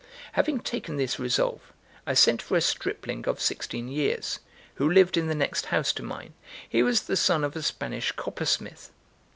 Having taken this resolve, I sent for a stripling of sixteen years, who lived in the next house to mine; he was the son of a Spanish coppersmith.